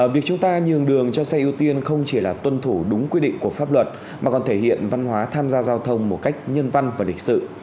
việc chúng ta nhường đường cho xe ưu tiên không chỉ là tuân thủ đúng quy định của pháp luật mà còn thể hiện văn hóa tham gia giao thông một cách nhân văn và lịch sử